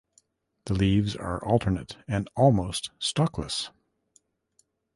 The leaves are alternate and almost stalkless.